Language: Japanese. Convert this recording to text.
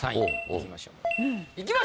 いきましょう。